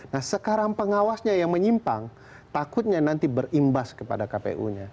nah sekarang pengawasnya yang menyimpang takutnya nanti berimbas kepada kpu nya